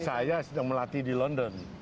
saya sedang melatih di london